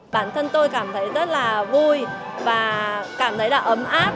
bản thân tôi cảm thấy rất là vui và cảm thấy là ấm áp